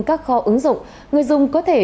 các kho ứng dụng người dùng có thể